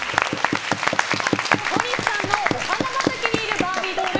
小西さんのお花畑にいるバービードール